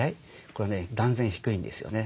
これね断然低いんですよね。